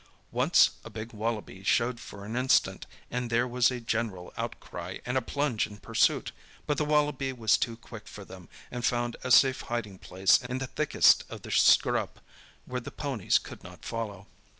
Once a big wallaby showed for an instant, and there was a general outcry and a plunge in pursuit, but the wallaby was too quick for them, and found a safe hiding place in the thickest of the scrub, where the ponies could not follow.